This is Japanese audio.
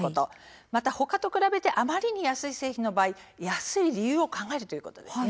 また他と比べてあまりに安い製品の場合、安い理由を考えるということです。